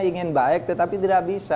ingin baik tetapi tidak bisa